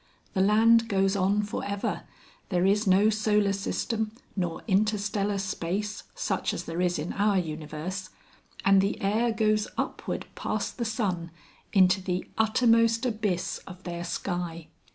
The land goes on for ever there is no solar system nor interstellar space such as there is in our universe and the air goes upward past the sun into the uttermost abyss of their sky.